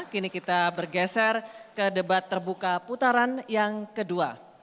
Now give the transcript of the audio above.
kini kita bergeser ke debat terbuka putaran yang kedua